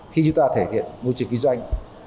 khi chúng ta cải thiện môi trường kinh doanh